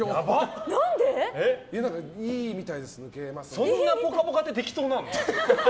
そんな「ぽかぽか」って適当なの？